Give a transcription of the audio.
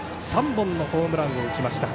３本のホームランを打ちました。